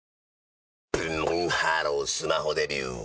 ブンブンハロースマホデビュー！